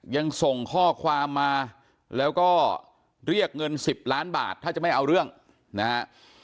ยังส่งข้อความมาแล้วก็เรียกเงิน๑๐ล้านบาทถ้าจะไม่เอาเรื่องนะฮะ